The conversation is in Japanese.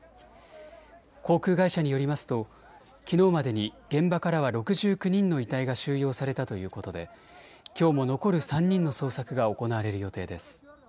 航空会社によりますときのうまでに現場からは６９人の遺体が収容されたということできょうも残る３人の捜索が行われる予定です。